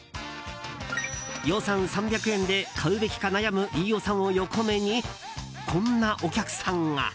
予算３００円で買うべきか悩む飯尾さんを横目にこんなお客さんが。